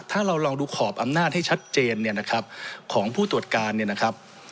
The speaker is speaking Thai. ถ้าเราลองดูขอบอำนาจให้ชัดเจนเนี่ยนะครับของผู้ตรวจการเนี่ยนะครับ